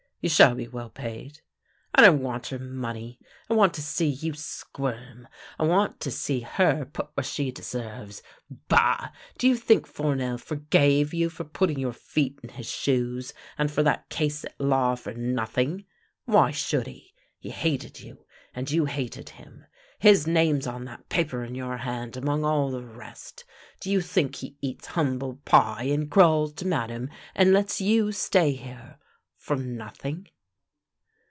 " You shall be well paid." " I don't want your money. I want to see you squirm. I want to see her put where she deserves. Bah! Do you think Fournel forgave you for putting your feet in his shoes and for that case at law for noth THE LANE THAT HAD NO TURNING 8i ing? Why should he? He hated you, and you hated him. His name's on that paper in your hand among all the rest. Do you think he eats humble pie and crawls to Madame and lets you stay here — for noth ing?